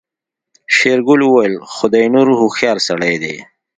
شېرګل وويل خداينور هوښيار سړی دی.